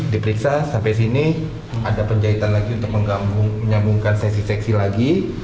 diperiksa sampai sini ada penjahitan lagi untuk menyambungkan sesi seksi lagi